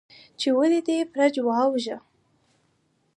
، چې ولې دې فرج وواژه؟